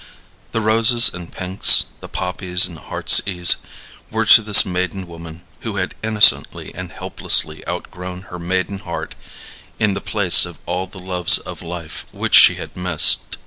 The roses and pinks, the poppies and heart's ease, were to this maiden woman, who had innocently and helplessly outgrown her maiden heart, in the place of all the loves of life which she had missed.